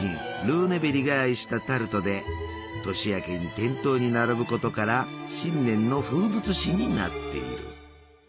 ルーネベリが愛したタルトで年明けに店頭に並ぶことから新年の風物詩になっている。